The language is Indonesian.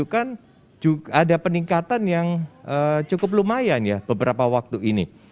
kan ada peningkatan yang cukup lumayan ya beberapa waktu ini